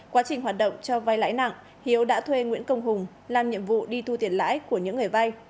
quá trình hoạt động cho vai lãi nặng hiếu đã thuê nguyễn công hùng làm nhiệm vụ đi thu tiền lãi của những người vay